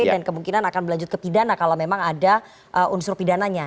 dan kemungkinan akan berlanjut ke pidana kalau memang ada unsur pidananya